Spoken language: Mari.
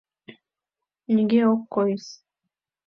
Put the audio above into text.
Нигӧ ок койыс.